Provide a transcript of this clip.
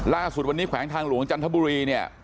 ล่าสุดวันนี้แขวงทางหลวงจันทบุรีเนี่ย